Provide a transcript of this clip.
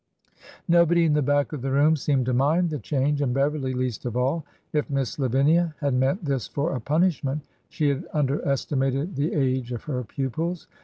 Nobody in the back of the room seemed to mind the change, — and Beverly least of all. If Miss Lavinia had meant this for a punishment, she had underestimated the age of her pupils.